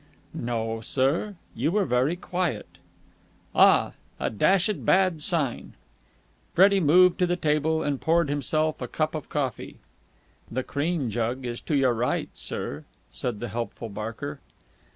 "No, sir. You were very quiet." "Ah! A dashed bad sign!" Freddie moved to the table, and poured himself a cup of coffee. "The cream jug is to your right, sir," said the helpful Barker.